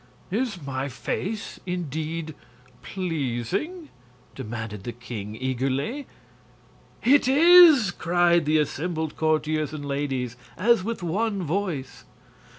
"Is my face indeed pleasing?" demanded the king, eagerly. "It is!" cried the assembled courtiers and ladies, as with one voice.